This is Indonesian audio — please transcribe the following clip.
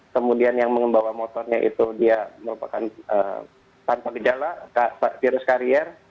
kemudian yang membawa motornya itu dia merupakan tanpa gejala virus karier